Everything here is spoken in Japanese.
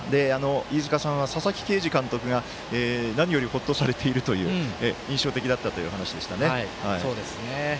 飯塚さんは佐々木啓司監督が何より、ほっとされているという印象だったというお話でしたね。